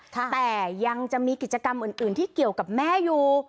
แต่ยังจะมีกิจกรรมอื่นที่เกี่ยวกับแม่อยู่